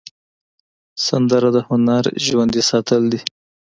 سندره د هنر ژوندي ساتل دي